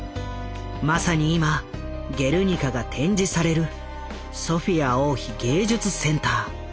まさに今「ゲルニカ」が展示されるソフィア王妃芸術センター。